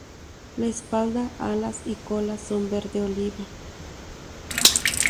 La espalda, alas y cola son verde oliva.